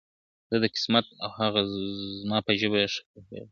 زه د قسمت او هغه زما په ژبه ښه پوهیږي ,